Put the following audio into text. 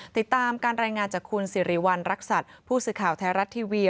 ติดตามการรายงานจากคุณสิริวัณรักษัตริย์ผู้สื่อข่าวไทยรัฐทีวี